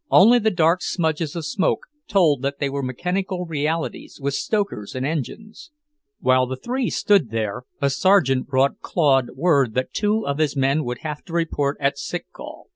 Only the dark smudges of smoke told that they were mechanical realities with stokers and engines. While the three stood there, a sergeant brought Claude word that two of his men would have to report at sick call.